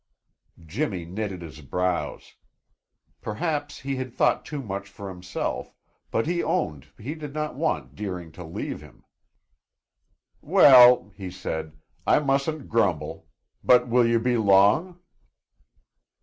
Jimmy knitted his brows. Perhaps he had thought too much for himself, but he owned he did not want Deering to leave him. "Well," he said, "I mustn't grumble. But will you be long?"